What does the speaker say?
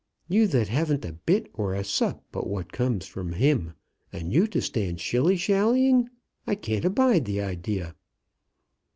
You that haven't a bit or a sup but what comes from him, and you to stand shilly shallying! I can't abide the idea!"